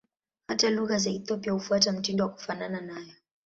Hata lugha za Ethiopia hufuata mtindo wa kufanana nayo.